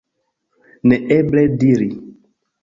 Neeble diri.